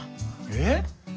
えっ？